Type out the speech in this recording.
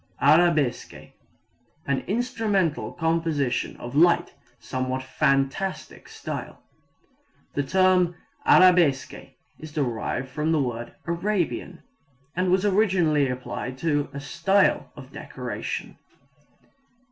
Arabesque an instrumental composition in light, somewhat fantastic style. The term arabesque is derived from the word Arabian, and was originally applied to a style of decoration.